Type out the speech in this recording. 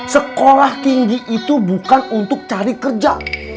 sekolah tinggi itu bukan untuk cari kerja